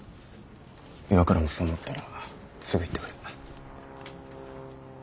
岩倉もそう思ったらすぐ言ってくれ。